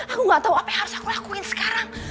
aku gak tau apa yang harus aku lakuin sekarang